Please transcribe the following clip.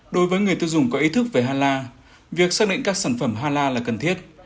đối với người tiêu dùng có ý thức về hà la việc xác định các sản phẩm hà la là cần thiết